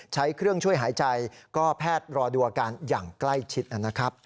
ใช้เครื่องช่วยหายใจก็แพทย์รอดูอาการอย่างใกล้ชิดนะครับ